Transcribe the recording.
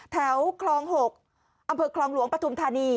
แถวคลอง๖อำเภอคลองหลวงปฐุมธานี